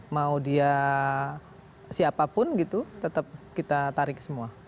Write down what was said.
mau dia siapapun gitu tetap kita tarik semua